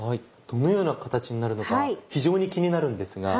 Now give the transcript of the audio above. どのような形になるのか非常に気になるんですが。